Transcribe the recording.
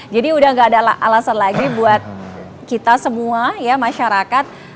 jadi udah enggak ada alasan lagi buat kita semua ya masyarakat